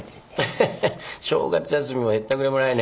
ヘヘヘ正月休みもへったくれもないね。